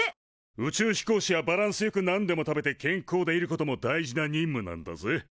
宇宙飛行士はバランスよくなんでも食べて健康でいることも大事な任務なんだぜ。